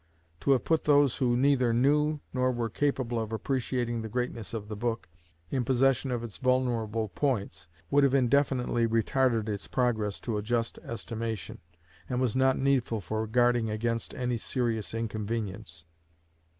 To have put those who neither knew nor were capable of appreciating the greatness of the book, in possession of its vulnerable points, would have indefinitely retarded its progress to a just estimation, and was not needful for guarding against any serious inconvenience.